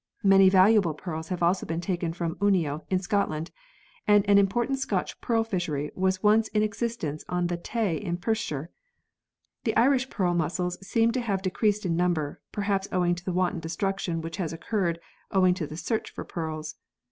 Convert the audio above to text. Many valuable pearls have also been taken from Unio in Scotland, and an important Scotch pearl fishery was once in existence on the Tay in Perthshire. The Irish pearl mussels seem to have decreased in number perhaps owing to the wanton destruction which has occurred owing to the search for pearls.